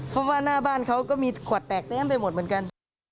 เพราะว่าหน้าบ้านเขาก็มีขวดแตกเต็มไปหมดเหมือนกัน